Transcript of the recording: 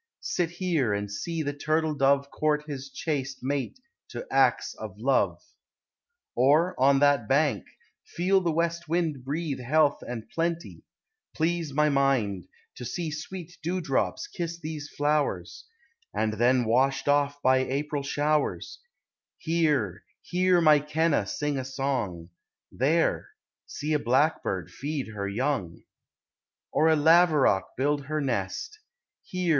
Sit here, and sec the turtle dove Court his chaste mate to acts of love; THE REASONS. 139 Or, on that bank, feel the west wind Breathe health and plenty; please my mind, To see sweet dew drops kiss these flowers, And then washed oif by April showers; Here, hear my Kenna* sing a song: There, see a blackbird feed her young, Or a laverock build her nest; Here, g?